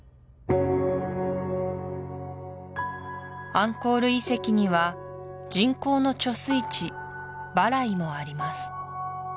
アンコール遺跡には人工の貯水池バライもあります